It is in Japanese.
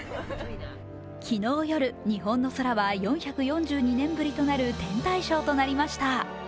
昨日夜、日本の空は４４２年ぶりとなる天体ショーとなりました。